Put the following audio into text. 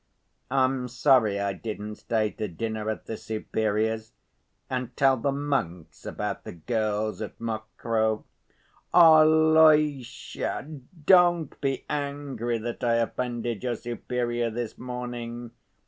I'm sorry I didn't stay to dinner at the Superior's and tell the monks about the girls at Mokroe. Alyosha, don't be angry that I offended your Superior this morning.